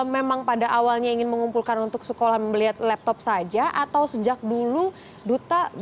memang pada awalnya ingin mengumpulkan untuk sekolah melihat laptop saja atau sejak dulu duta